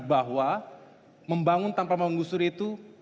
bahwa membangun tanpa menggusur itu